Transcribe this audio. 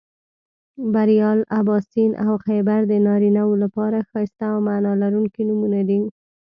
بریال، اباسین او خیبر د نارینهٔ و لپاره ښایسته او معنا لرونکي نومونه دي